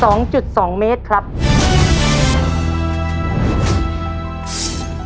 และข้อมูลใดของอนุสวรีพระยาสุรินทร์ภักดีไม่ถูกต้อง